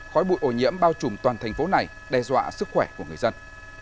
khói bụi ô nhiễm bao trùm toàn thành phố này đe dọa sức khỏe của người dân